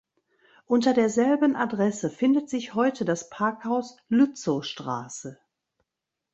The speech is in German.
Unter derselben Adresse findet sich heute das Parkhaus Lützowstraße.